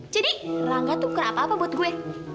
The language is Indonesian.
jadi rangga tuh bukan apa apa buat gue